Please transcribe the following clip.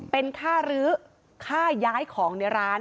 เป็นค่ารื้อค่าย้ายของในร้าน